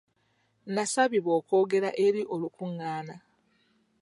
Nasabibwa okwogera eri olukungaana.